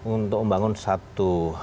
untuk membangun satu